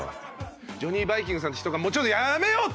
ジョニー・バイキングさんって人が「もうちょっとやめよう！」と。